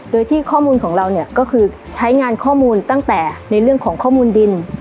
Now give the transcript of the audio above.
โดยที่ข้อมูลของเราเนี่ยก็คือใช้งานข้อมูลตั้งแต่ในเรื่องของข้อมูลดิน